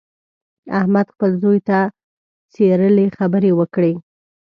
احمد خپل زوی ته څیرلې خبرې وکړې.